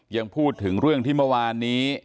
ยังพูดถึงเรื่องที่เมื่อวานนี้